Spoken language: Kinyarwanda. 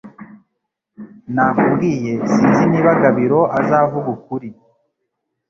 Nakubwiye sinzi niba Gabiro azavuga ukuri